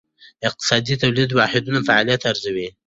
اقتصاد د تولیدي واحدونو فعالیتونه ارزوي.